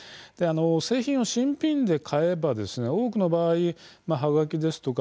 製品を新品で買えば多くの場合、はがきですとか